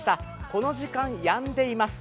この時間、やんでいます。